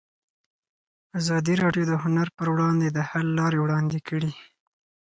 ازادي راډیو د هنر پر وړاندې د حل لارې وړاندې کړي.